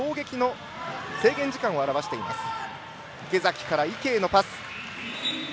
池崎から池へのパス。